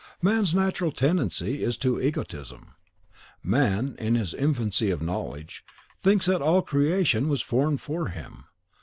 Man's natural tendency is to egotism. Man, in his infancy of knowledge, thinks that all creation was formed for him.